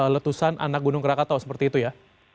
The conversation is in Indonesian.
letusan anak gunung krakatau seperti itu ya